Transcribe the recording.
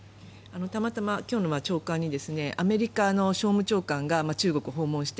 たまたま今日の長官にアメリカの商務長官が中国を訪問して